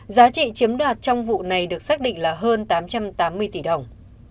giá trị chiếm đoạt trong vụ này được xác định là hơn tám trăm tám mươi tỷ đồng